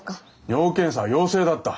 尿検査は陽性だった。